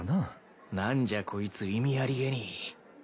何じゃこいつ意味ありげに。